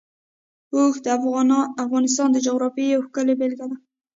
اوښ د افغانستان د جغرافیې یوه ښه بېلګه ده.